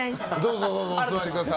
どうぞ、お座りください。